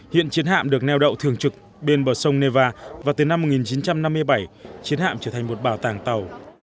hiện chiến hạm được neo đậu thường trực bên bờ sông neva và từ năm một nghìn chín trăm năm mươi bảy chiến hạm trở thành một bảo tàng tàu